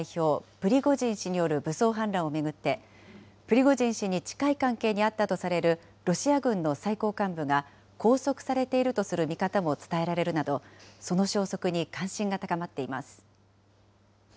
プリゴジン氏による武装反乱を巡って、プリゴジン氏に近い関係にあったとされるロシア軍の最高幹部が拘束されているとする見方も伝えられるなど、その消息に関心が高まっています。